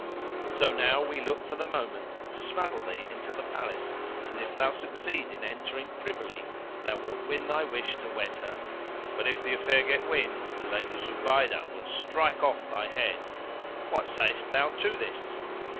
So now we look for the moment to smuggle thee into the Palace and if thou succeed in entering privily thou wilt win thy wish to wed her; but if the affair get wind, the Lady Zubaydah will strike off thy head.[FN#561] What sayest thou to this?"